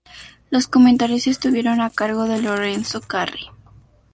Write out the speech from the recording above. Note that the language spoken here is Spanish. Los comentarios estuvieron a cargo de Lorenzo Carri.